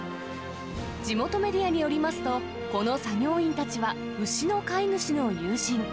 地元メディアによりますと、この作業員たちは牛の飼い主の友人。